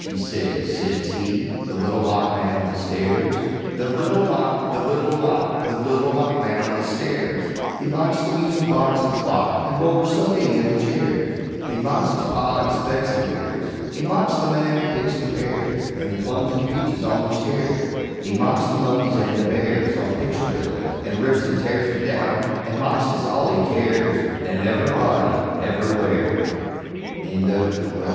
_" he says, says he The Little Mock man on the Stairs! _The Little Mock The Little Mock The Little Mock man on the Stairs, He mocks the music box an' clock, An' roller sofy an' the chairs; He mocks his Pa an' spec's he wears; He mocks the man 'at picks the pears An' plums an' peaches on the shares; He mocks the monkeys an' the bears On picture bills, an' rips an' tears 'Em down, an' mocks ist all he cares, An' EVER'body EVER'wheres!_ MAMMY'S LULLABY BY STRICKLAND W.